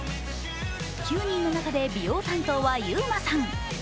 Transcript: ９人の中で美容担当はユーマさん。